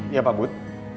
iya pak bud